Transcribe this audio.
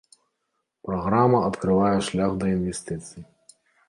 Праграма адкрывае шлях да інвестыцый.